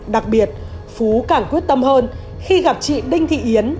đặc biệt phú càng quyết tâm hơn khi gặp chị đinh thị yến